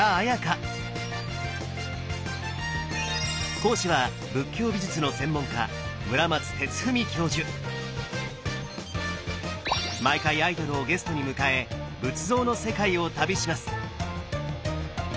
講師は仏教美術の専門家毎回アイドルをゲストに迎え仏像の世界を旅します！